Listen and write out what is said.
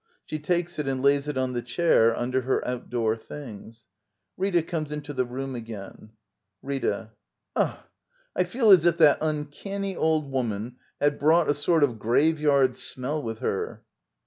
She takes it and lays it on the chair under her outdoor things. Rita comes into the room again.] RrrA. Ughl I feel as if that uncanny old woman had brought a sort of graveyard smell with her.